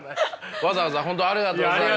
わざわざ本当ありがとうございます。